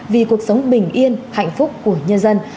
vì cuộc sống bình yên hạnh phúc của nhân dân